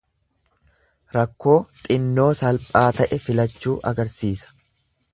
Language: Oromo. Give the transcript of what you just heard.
Rakkoo xinnoo salphaa ta'e filachuu agarsiisa.